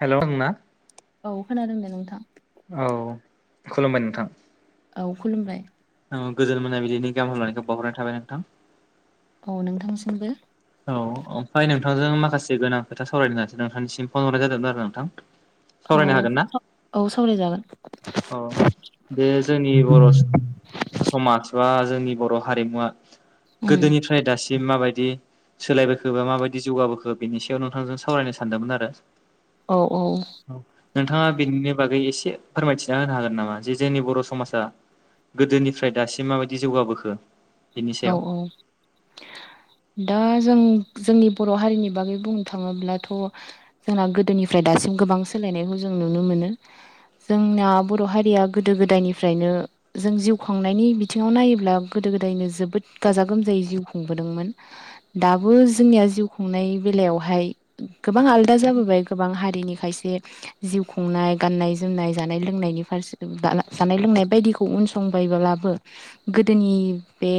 हेल' ओङ मा औ खोनादों दे नोंथां औ खुलुमबाय नोंथां औ खुलुमबाय औ गोजोन मोनाबिलिनि गाहाम लानायखौ बावहरनाय थाबाय नोंथां औ नोंथांनिसिमबो औ ओमफ्राय नोंथांजों माखासे गोनां खोथा सावरायनो होन्नासो नोंथांनिसिम फन हरनाय जादोंमोन आरो नोंथां औ सावरायनो हागोन ना औ औ सावरायजागोन बे जोंनि बर' समाज बा जोंनि बर' हारिमुवा उम गोदोनिफ्राय दासिम माबायदि सोलायबोखो बा माबायदि जौगाबोखो बेनि सायाव नोंथांजों सावरायनो सानदोंमोन आरो औ औ नोंथाङा बेनिनो बागै एसे फोरमायथिना होनो हागोन नामा जे जोंनि बर' समाजा गोदोनिफ्राय दासिम माबायदि जौगाबोखो बिनि औ सायाव औ दा जों जोंनि बर' हारिनि बागै बुंनो थाङोब्लाथ' जोंना गोदोनिफ्राय दासिम गोबां सोलों नायखौ जों नुनो मोनो जोंना बर' हारिया गोदो गोदायनिफ्रायनो जों जिउ खांनायनि बिथिङाव नायोब्ला गोदो गो नो जोबोद गाजा गोमजायै जिउ खुंबोदोंमोन दाबो जोंनिया जिउ खुंनाय बेलायाव फाय गोबां आलदा जाबोबाय गोबां हारिनि खायसे जिउ खुंनाय गान्नाय जोमनाय जानाय लोंनायनि फारसे जानाय लोंनाय बायदिखौ उनसंबायब्लाबो गोदोनि बे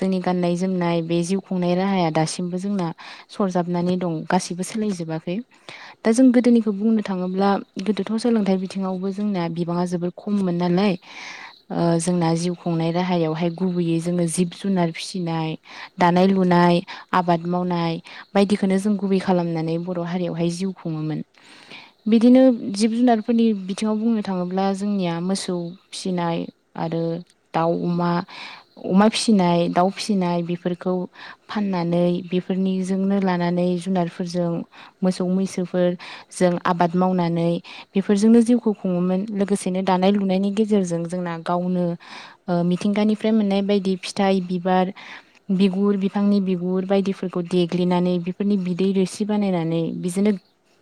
जोंनि गाननाय जोमनाय बे जिउ खुंनाय राहाया दासिमबो जोंना सरजाबनानै दं गासिबो सोलायजोबाखै दा जों गोदोनिखौ बुंनो थाङोब्ला गोदोथ' सोलोंथाइ बिथिङावबो जों ना बिबां आ जोबोद खममोन नालाय ओ जोंना जिउ खुंनाय राहायावहाय गुबैयै जोङो जिब जुनार फिसिनाय दानाय लुनाय आबाद मावनाय बायदिखौनो जों गुबै खालामनानै बर' हारियावहाय जिउ खुङोमोन बिदिनो जिब जुनारफोरनि बिथिङाव बुंनो थाङोब्ला जोंनिया मोसौ फिसिनाय आरो दाउ अमा अमा फिसिनाय दाउ फिसिनाय बेफोरखौ फाननानै बेफोरनिजोंनो लानानै जुनारफोरजों मोसौ मैसोफोर जों आबाद मावनानै बेफोरजोंनो जिउखौ खुङोमोन लोगोसेनो दानाय लुनायनि गेजेरजों जोंना गावनो ओ मिथिंगानिफ्राय मोननाय बायदि फिथाइ बिबार बिगुर बिफांनि बिगुर बायदिफोरखौ देग्लिनानै बेफोरनि बिदै रोसि बानायनानै बिजोनो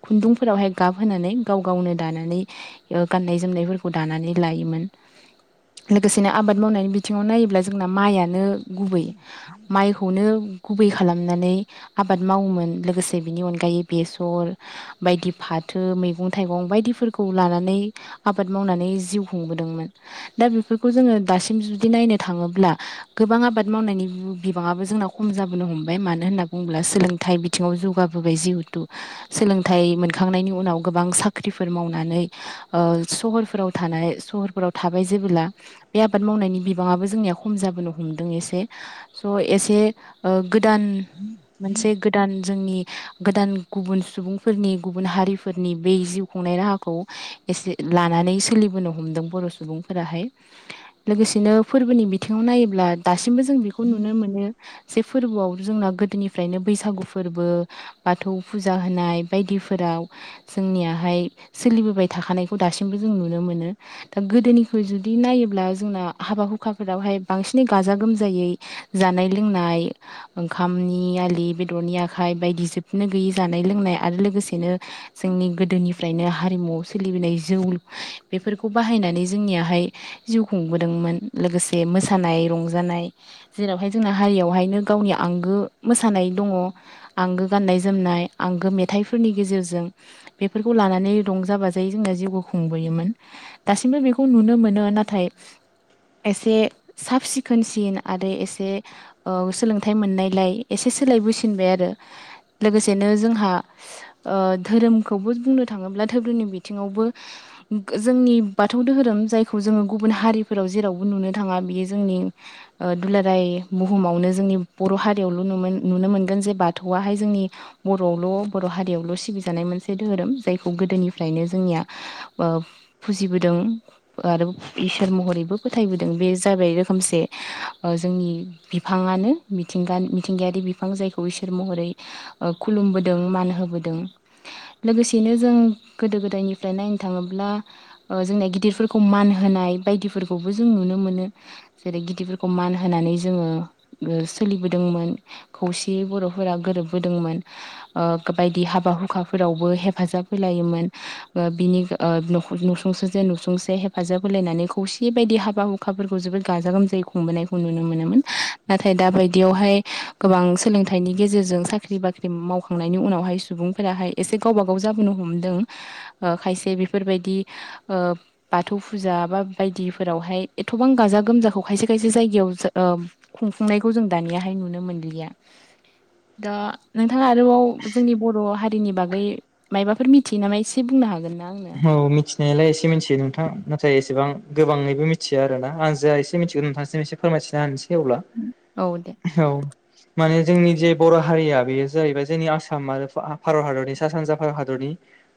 खुन्दुंफोरावहाय गाबहोनानै गाव गावनो दानानै ओ गाननाय जोमनायफोरखौ दानानै लायोमोन लोगोसेनो आबाद मावनाय बिथिङाव नायोब्ला जोंना माइयानो गुबै माइखौनो गुबै खालामनानै आबाद मावोमोन लोगोसे बिनि अनगायै बेसर बायदि फाथो मैगं थाइगं बायदिफोरखौ लानानै नै आबाद मावनानै जिउ खुंबोदोंमोन दा बेफोरखौ जोङो दासिम जुदि नायनो थाङोब ब्ला गोबां आबाद मावनायनि बिबाङाबो जोंना खम जाबोनो हमबाय मानो होनना बुङोब्ला सोलोंथाइ बि थिंआव जौगाबोबाय जिहुथु सोलोंथाइ मोनखांनायनि उनाव गोबां साख्रिफोर मावनानै ओ सहरफोराव थानाय सहरफोराव थाबाय जेबोला बे आबाद मावनायनि बिबाङाबो जोंनिया खम जाबोनो हमदों एसे स' एसे ओ गोदान मोनसे गोदान जोंनि गोदान गुबुन सुबुंफोरनि गुबुन हारिफोरनि ब जिउ खुंनाय राहाखौ एसे लानानै सोलिबोनो हमदों बर' सुबुंफोराहाय लोगोसेनो फोरबोनि बि थिङाव नायोब्ला दासिमबो जों बेखौ नुनो मोनो ज फोरबोआव जोंना गोदोनिफ्रायनो बैसागु फोरबो बाथौ फुजा होनाय बायदिफोरा आव जोंनियाहाय सोलिबोबाय थाखानायखौ दासिमबो जों नुनो मोनो दा गोदोनिफ्राय जुदि नायोब्ला जोंना हाबा हुखा फोरावहाय बांसिनै गाजा गोमजायै जानाय लोंनाय ओंखामनि आलि बेदर उननि आखाइ बायदि जोबनो गैयै जानाय लोंनाय आरो लोगोसेनो जोंनि गोदोनिफ्रायनो हारिमु सोलिबोनाय जौ बेफोरखौ बाहायनानै जोंनियाहाय जिउ खुंबोदोंमोन लोगोसे बे मोसानाय रंजानाय जेरावहाय जोंना हारियावहायनो गावनि आंगो मोसानाय दङ आंगो गाननाय जोमनाय आंगो मेथाइफोरनि गेजेरजों बेफोरखौ लानानै रंजा बाज जायै जोंना जिउबो खुंबोयोमोन दासिमबो बेखौ नुनो मोनो नाथाय एसे साब सिखोनसिन आरो एसे औ सोलोंथाइ मोननायलाय एसे सोलायबोसिनबाय आरो लोगोसेनो जोंहा ओ धोरोमखौबो बुंनो थाङोब्ला धोरोमनि बिथिङावबो जोंनि बाथौ धोहोरोम जायखौ जोङो गुबुन हारिफोराव जेरावबो नुनो थाङा बियो जोंनि ओ दुलाराय बुहुमावनो जोंनि बर हारियावल नुनो मोनगोन जे बाथौआहाय जोंनि बरआवल बर हारियावल सिबि जानाय मोनसे धोरोम जायखौ गोदोनिफ्राय बियो जोंनिया ओ फुजिबोदों आरो इसोर महरैबो फोथायबो बे जाबाय रोखोमसे ओ जोंनि बिफाङानो मिथिंगा मिथिंगायारि बिफां ज जायखौ इसोर महरै ओ खुलुमबोदों मान होबोदों लोगोसेनो जों गोदो गोदायनिफ्राय नायनो थाङोब्ला जोंना गिदिरफोरखौ मान होनाय बायदिफोरखौबो ज जों नुनो मोनो जेरै गिदिरफोरखौ मान होनानै जोङो सोलिबोदोंमोन खौसेयै बरफोरा गोरोबबोदोंमोन ओ बायदि हाबा हुखाफोरावबो हेफाजाब होलाय योमोन ओ बिनिखा ओ नख नसुंसे जों नसुंसे हेफाजाब होलायनानै खौसे बायदि हाब बा अखाफोरखौ जोबोद गाजा गोमजायै खुंबोनायखौ नुनो मोनोमोन नाथाय दा बायदियावहाय गोबां सोलोंथाइनि गेजेरजों साख्रि बाख्रि मावखांनायनि उनावहाय सुबुंफोराहाय एसे गावब गाव जाबोनो हमदों ओ खायसे बेफोरबायदि ओ बाथौ फुजा बा बायदिफोरावहाय एथबां गाजा गोमजाखौ खायसे खायसे जायगायाव जा ओ खुंफुंनायखौ जों दानियाहाय नुनो मोनलिया [inaudible] दा नों थाङा आरोबाव जोंनि बर हारिनि बागै मायबाफोर मिथियो नामा एसे बुंनो हागोन ना आंनो? औ मिथिनायालाय एसे मिथियो नोंथां नाथाय एसेबां गोबाङैबो मिथिया आरोना आं जा एसे मिथिगौ नोंथांसिम एसे फोरमायथिना होनस सै अब्ला औ दे औ माने जोंनि जे बर हारिया बेयो जायैबाय जोंनि आसाम आरो भा भारत हादरनि सा सानजा भारत हादरनि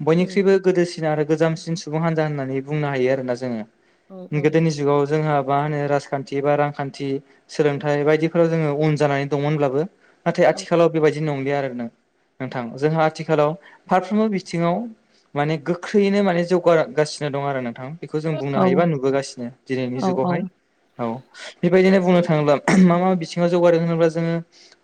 बयनिख्रुइबो गोदोसिन आरो गोजामसिन सुबुं हान्जा होननानै बुंनो हायो आरोना जोङो औ औ गोदोनि जुगाव जोंहा मा होनो राजखान्थि बा रांखान्थि सोलोंथाइ बायदिफोराव जोङो उन जानानै दंमोनब्लाबो नाथाय आथिखालाव बेबायदि नंलिया आरो नों नोंथां जोंहा आथिखालाव फारफ्रोमबो बिथिङाव माने गोग ख्रैयैनो माने जौगागासिनो दं आरो नोंथां बेखौ जों बुंनो औ हायोबा नुबोगासिनो दिनैनि औ जुगावहाय औ बेबायदिनो बुंनो थाङोब्ला मा मा बिथिङाव जौगादों होनोब्ला जोङो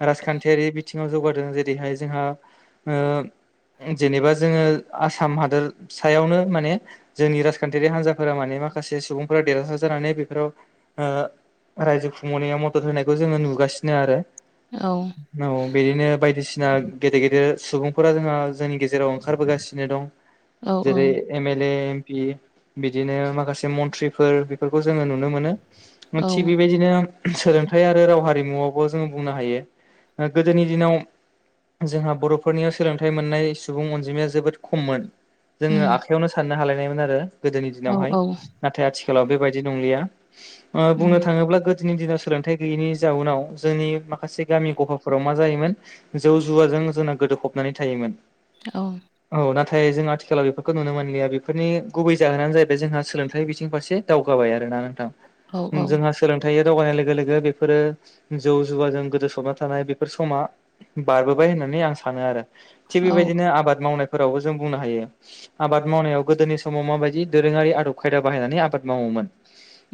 राजखान्थियारि बिथिङाव जौगादों जेरै बेहाय जोंहा ओ जेनेबा जोङो आसाम हादोर सायावनो माने जोंनि राजखान्थियारि हान्जाफोरा माने माखासे सुबुंफोरा देरहासार जानानै बेफोराव ओ रायजो खुंबोनायाव मदद होनायखौ जोङो नुगासिनो आरो औ बिदिनो बायदिसिना गेदेर गेदेर सुबुंफोरा जोङो जोंनि गे जेराव ओंखारबोगासिनो दं औ जेरै M L A P A बिदिनो माखासे मन्थ्रिफोर बेफोरखौ जोङो नुनो मोनो ओं औ थिग बिबायदिनो सोलोंथाइ आरो राव हारिमुआवबो जोङो बुंनो हायो ओ गोदोनि दिनाव जोंहा बरफोरनियाव सोलोंथाइ मोननाय सुबुं अनजिमाया जोबोद खममोन उम मोन आरो गोदोनि औ दिनावहाय औ नाथाय आथिखालाव बेबायदि नंलिया ओ बुंनो उम थाङोब्ला दिनैनि दिनाव सोलोंथाइ गैयैनि जाउनाव जोंनि माखासे गामि गफाफोराव मा जायोमोन जौ जुवाजों जोंना गोदोफबनानै थायोमोन औ जोंना खेला बेफोरखौ नुनो मोनलिया बेफोरनि गुबै जाहोनानो जाहैबाय जोंहा सोलोंथाइ बिथिं फारसे दावगाबाय आरो ना नोंथां औ औ जोंहा सोलोंथाइया दावगानाय लोगो लोगो बेफोरो जौ जुवाजों गोदो सबना थानाय बेफोर समा बारबोबाय होननानै नानै आं सानो आरो थिग बेबायदिनो आबाद मावनायफोरावबो जों बुंनो हायो आबाद मावनायाव गोदोनि समाव माबायदि दोरोङारि आदब खायदा बाहायनानै आबाद मावोमोन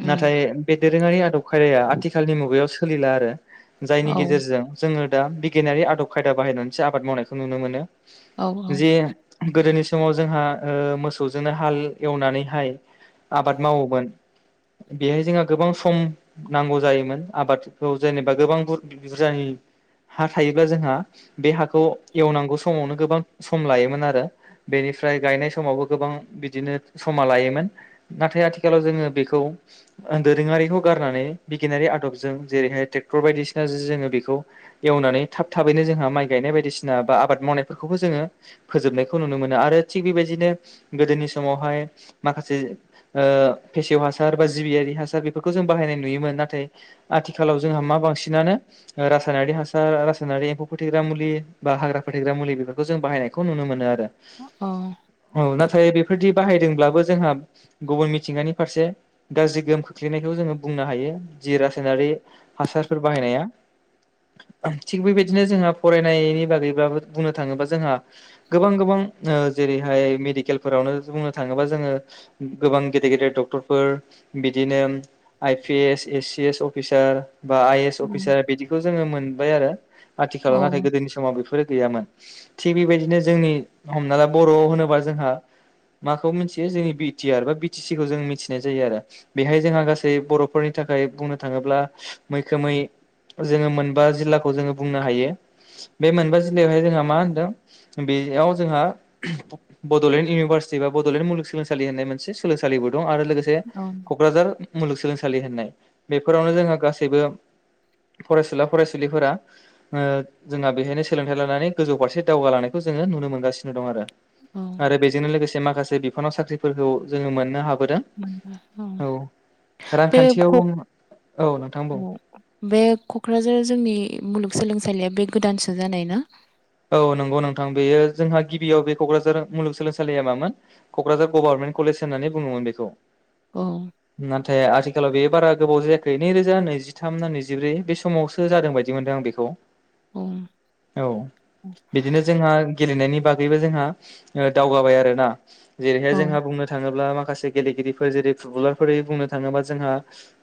उम नाथाय बे दोरोङारि आदब खायदाया आथिखालनि मुगायाव सोलिला आरो औ जायनि औ गेजेरजों जोङो दा बिगियानारि आदब खायदा बाहायनानैसो आबाद मावनायखौ नुनो मोनो औ औ जे गोदोनि समाव जोंहा मोसौजोंनो हाल एवनानैहाय आबाद मावोमोन बेहाय जोंहा गोबां सम नांगौ जायोमोन आबादखौ जेनेबा गोबां बुरजानि हा थायोब्ला जोंहा बे हाखौ एवनांगौ समावनो गोबां सम लायोमोन आरो बेनिफ्राय गायनाय समावबो गोबां बिदिनो समा लायोमोन नाथाय आथिखालाव जोङो बेखौ दोरोङारिखौ गारनानै बिगियानारि आदबजों जेरैहाय ट्रेक्टर बायदिसिना जोङो बेखौ एवनानै थाब थाबैनो जोंहा माइ गायनाय बायदिसिना बा आबाद मावनायफोरखौबो जोङो फोजोबनायखौ नुनो मोनो। आरो थि बेबायदिनो गोदोनि समावहाय माखासे फेसेव हासार बा जिबियारि हासार बेफोरखौ जों बाहायनाय नुयोमोन नाथाय आथिखालाव जोंहा मा बांसिनानो रासायनारि हासार रासायनारि एम्फौ फोथैग्रा मुलि बा हाग्रा फोथेग्रा मुलि बेफोरखौ जों बाहायनायखौ नुनो मोनो आरो। औ नाथाय बे बेफोरदि बाहायदोंब्लाबो जोंहा गुबुन मिथिंगानि फारसे गाज्रि गोहोम खोख्लैनायखौ जोङो बुंनो हायो। जि रासायनारि हासारफोर बाहायनाया थिग बेबायदिनो जोंहा फरायनायनि बागैबो बुंनो थाङोबा जोंहा गोबां गोबां ओ जेरैहाय मेडिकेलफोरावनो बुंनो थाङोबा जोङो गोबां गेदेर गेदेर डक्टरफोर बिदिनो I P S A C S officer बा आइ एस अफिसार बिदिखौ जोङो मोनबाय आरो आथिखालाव नाथाय औ गोदोनि समाव बेफोरो गैयामोन थिग बेबायदिनो जोंनि हमना ला बर' होनोबा जोंहा माखौ मिथियो जोंनि बि टि आर बा बि टि सि खौ जों मिथिनाय जायो आरो बेहाय जोंहा गासै बर'फोरनि थाखाय थाखाय बुंनो थाङोब्ला मैखोमै जोङो मोनबा जिल्लाखौ जोङो बुंनो हायो बे मोनबा जिल्लायावहाय जोंहा मा होनदों बेयाव जोंहा बड'लेण्ड इउनिभारसिटि बा बड'लेण्ड मुलुग सोलोंसालि होननाय मोनसे सोलोंसालिबो दं आरो लोगोसे क'क्राझार मुलुगसोलोंसालि होननाय बेफोरावनो जोंहा गासैबो [inaudible] फरायसुला फरायसुलिफोरा ओ जोंहा बेहायनो सोलोंथाइ लानानै गोजौ फारसे दावगालांनायखौ जोङो नुनो मोनगासिनो दं आरो। औ आरो बेजोंनो लोगोसे माखासे बिफानाव साख्रिफोरखौ जों मोननो हाब बे रांखान्थियाव कक औ नोंथां बुं बे क'क्राझार जोंनि मुलुग सोलोंसालिया बे गोदानसो जानाय ना? औ नंगौ नोंथां बेयो जोंहा गिबियाव बे क'क्राझार मुलुगसोलोंसालिया मामोन क'क्राझार गभारनमेन न्त होननानै बुङोमोन बेखौ औ नाथाय आथिखा आथिखालाव बे बारा गोबाव जायाखै नैरोजा नैजिथाम ना नैजिब्रै बे समावसो जादों बायदि मोनदों आं बेखौ। औ औ बिदिनो जोंहा गेलेनायनि बागैबो जोंहा दावगाबाय आरोना जेरैहाय औ जोंहा बुंनो थाङोब्ला मा माखासे गेलेगिरिफोर जेरै फुटबलारफोर बुंनो थाङोबा जोंहा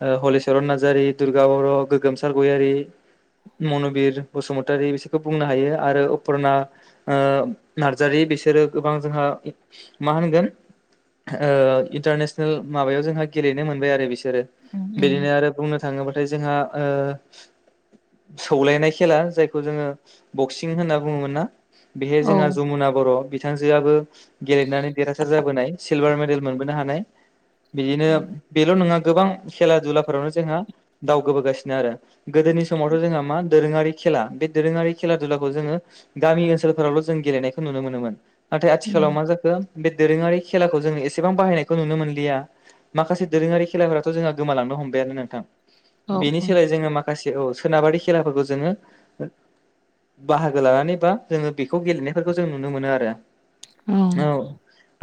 ओ हलिचरन नारजारि दुर्गा बर' गोगोमसार गयारि मनुबिर बसुमतारि बिसोरखौ बुंनो हायो आरो अपुरना ओ नार्जारि बिसोरो गोबां जोंहा मा होनगोन ओ इन्टारनेसनेल माबायाव जोंहा गेलेनो मोनबाय आरो बिसोरो उम उम बिदिनो आरो बुंनो थाङोबाथाय जोंहा ओ सौलानाय खेला जायखौ जोङो बक्सिं सिं होनना बुङोमोन ना बेहाय औ जोंहा जमुना बर' बिथांजोआबो गेलेनानै देरहासार जाबोनाय सिलभार मेडेल मोनबोनो हानाय बिदिनो औ बेल' नङा गोबां खेला दुलाफोरावनो जोंहा दावगोबोगासिनो आरो गोदोनि समावथ' जोंहा मा दोरोङारि खेला बे दोरोङारि खेला दुलाखौ जोङो गामि ओनसोलफोरावल' जों गेलेनायखौ नुनो मोनोमोन नाथाय आथिखालाव उम मा जाखो बे दोरोङारि खेलाखौ जों एसेबां बाहायनायखौ नुनो मोनलिया। माखासे दोरोङारि खेलाफोराथ' जोंहा गोमालांनो हमबायानो नोंथां औ । बेनि औ सोलाय जोङो माखासे औ सोनाबारि खेलाफोरखौ जोङो बाहागो लानानैबा जोङो बेखौ गेलेनायफोरखौ जों नुनो मोनो आरो। औ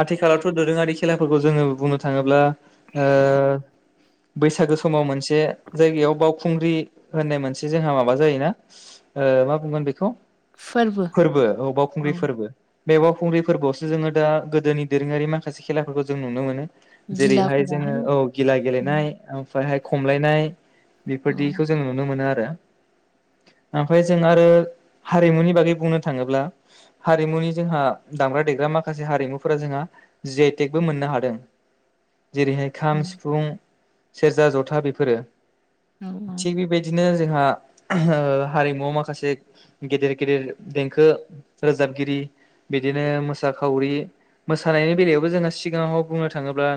आथिखालावथ' दोरोङारि खेलाफोरखौ जोङो बुंनो थाङोब्ला ओ। बैसागो समाव मोनसे जायगायाव बावखुंग्रि होननाय मोनसे जोंहा माबा जायोना ओ ओ मा बुंगोन बेखौ फोरबो औ बावखुंग्रि फोरबो । बे बावखुंग्रि फोरबोआवसो जोङो दा गोदोनि दोरोङारि माखासे खेलाफोरखौ जों नुनो मोनो । जेरैहाय जोङो गिलाफोराहाय औ गिला उम, गेलेनाय ओमफ्रायहाय खमलायनाय औ बेफोरदिखौ जों नुनो मोनो आरो ओमफ्राय जों आरो हारिमुनि बागै बुंनो थाङोब्ला हारिमुनि जोंहा दामग्रा देग्रा माखासे हारिमुफोरा जोंहा जि आइ टेक मो नो हादों। जेरैहाय खाम उम, सिफुं सेरजा जथा बेफोरो औ थिग बेबायदिनो जोंहा ओ हारिमुआव माखासे गेदेर गेदेर देंखो रोजाबगिरि बिदिनो मोसाखावरि मोसानायनि बेलायावबो जोंहा सिगाङाव बुंनो थाङोब्ला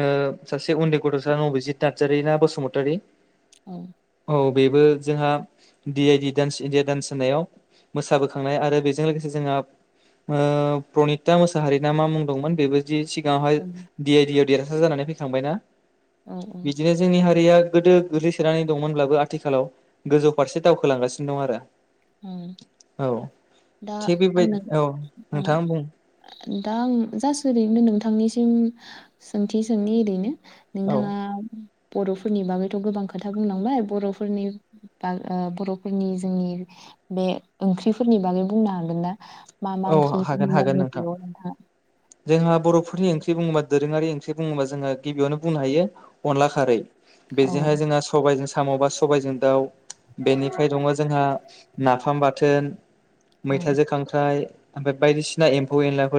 ओ सासे उन्दै गथ'सा नबजित नार्जारि ना बसुमतारि औ औ बेबो जोंहा D I D dance India dance मोसानायाव मोसाबोखांनाय आरो बेजों लोगोसे जोंहा ओ प्रनिता मोसाहारि ना मा मुं दंमोन बेबो बि सिगाङावहाय औ डि आइ डिआव देरहासार जानानै फैखांबायना औ औ बिदिनो जोंनि हारिया गोदो गोग्लैसोनानै दंमोनब्लाबो आथिखालाव गोजौ फारसे दावखोलांगासिनो दं आरो औ औ दा थिग बेबाय आंनो औ उम नोंथाङा बुं दा आं जासो ओरैनो नोंथांनिसिम सोंथि सोंनि ओरैनो औ नोंथाङा बर'फोरनि बागैथ' गोबां खोथा बुंलांबाय बर'फोरनि बा बर'फोरनि जोंनि बे ओंख्रिफोरनि बागै बुंनो हागोन ना? मा मा औ हागोन हागोन नोंथां ओंख्रि जोंहा बर'फोरनि ओंख्रि बुङोबा दोरोङारि ओंख्रि बुङोबा जोंहा गिबियावनो बुंनो हायो अनला खारै औ बेजोंहाय जोंहा सबाइजों साम' बा सबाइजों दाउ बेनिफ्राय दङ जोंहा नाफाम बाथोन औ मैथाजो खांख्राइ ओमफ्राय बायदिसिना एम्फौ एनलाफोर